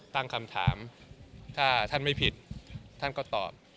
ตั้งคำถามถ้าท่านไม่ผิดท่านก็ตอบ